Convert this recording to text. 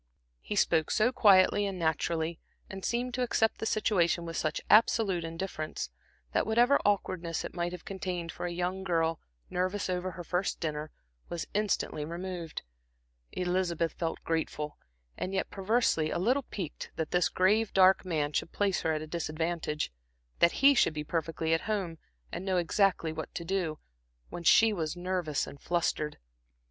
He spoke so quietly and naturally, and seemed to accept the situation with such absolute indifference, that whatever awkwardness it might have contained for a young girl nervous over her first dinner, was instantly removed. Elizabeth felt grateful, and yet perversely a little piqued that this grave, dark man should place her at a disadvantage, that he should be perfectly at home and know exactly what to do, when she was nervous and flustered.